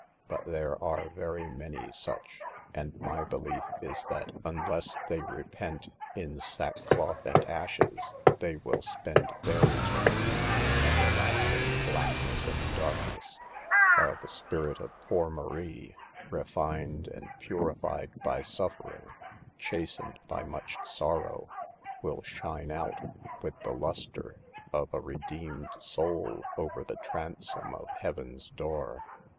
But there are very many such, and my belief is that unless they repent, in sackcloth and ashes, they will spend their eternity in everlasting blackness and darkness, while the spirit of poor Marie, refined and purified by suffering, chastened by much sorrow, will shine out with the lustre of 100 SULVE THE GIRLS. a redeemed soul over the transom of Heaven'* door.